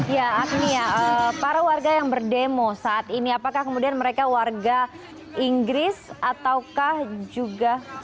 ya agnia para warga yang berdemo saat ini apakah kemudian mereka warga inggris ataukah juga